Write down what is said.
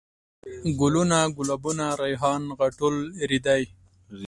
ګلوونه ،ګلابونه ،ريحان ،غاټول ،رېدی